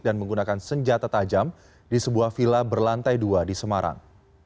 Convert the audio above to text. dan menggunakan senjata tajam di sebuah vila berlantai dua di semarang